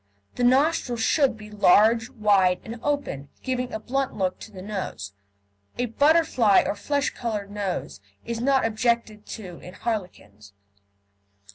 The nostrils should be large, wide, and open, giving a blunt look to the nose. A butterfly or flesh coloured nose is not objected to in harlequins.